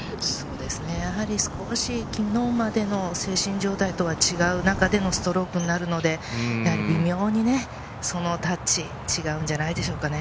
やはり少し、昨日までの精神状態とは違う中でのストロークになるので、微妙にそのタッチが違うんじゃないでしょうかね。